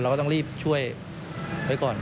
เราก็ต้องรีบช่วยไว้ก่อนครับ